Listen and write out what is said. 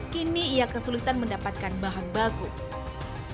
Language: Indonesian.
kini ia kesulitan mendapatkan bahan baku